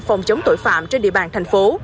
phòng chống tội phạm trên địa bàn thành phố